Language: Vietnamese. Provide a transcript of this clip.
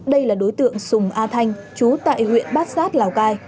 đây là đối tượng sùng a thanh chú tại huyện bát sát lào cai